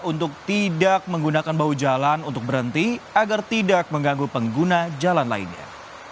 untuk tidak menggunakan bau jalan untuk berhenti agar tidak mengganggu pengguna jalan lainnya